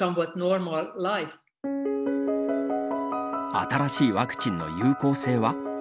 新しいワクチンの有効性は。